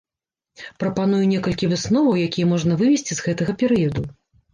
Прапаную некалькі высноваў, якія можна вывесці з гэтага перыяду.